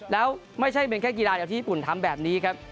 แล้วไม่ใช่เป็นแค่กีฬาเดียวที่ญี่ปุ่นทำแบบนี้ครับ